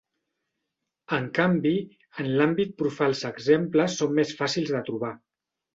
En canvi, en l'àmbit profà els exemples són més fàcils de trobar.